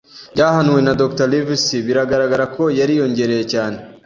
byahanuwe na Dr. Livesey, biragaragara ko yariyongereye cyane.